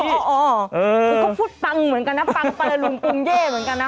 คือก็พูดปังเหมือนกันนะฟังไปลุงตุงเย่เหมือนกันนะ